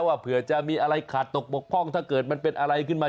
ว่าเผื่อจะมีอะไรขาดตกบกพร่องถ้าเกิดมันเป็นอะไรขึ้นมา